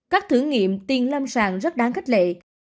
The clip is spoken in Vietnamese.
các thử nghiệm tiền lâm sàng rất đáng khích lệ